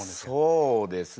そうですね。